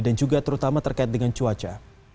dan juga terutama terkait dengan cuaca